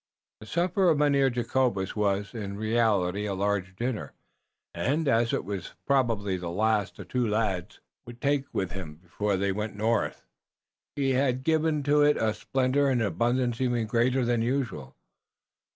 The supper of Mynheer Jacobus was, in reality, a large dinner, and, as it was probably the last the two lads would take with him before they went north, he had given to it a splendor and abundance even greater than usual.